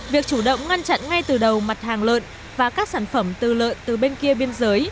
việc chủ động ngăn chặn ngay từ đầu mặt hàng lợn và các sản phẩm tư lợn từ bên kia biên giới